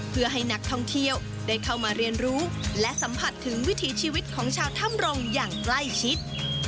เพื่อให้นักท่องเที่ยวได้เข้ามาเรียนรู้และสัมผัสถึงวิถีชีวิตของชาวถ้ำรงค์อย่างใกล้ชิด